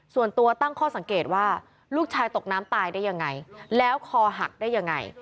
ส่วนตัวตั้งข้อสังเกตว่าลูกชายตกน้ำตายได้ยังไงแล้วคอหักได้ยังไง